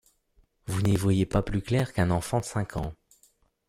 Vous n’y voyez pas plus clair qu’un enfant de cinq ans...